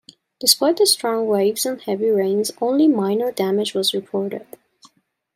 Despite the strong waves and heavy rains, only minor damage was reported.